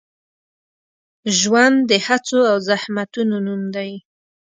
ژوند د هڅو او زحمتونو نوم دی.